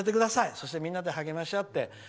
そして、みんなで励まし合って。